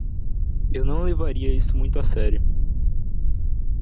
Eu não levaria isso muito a sério.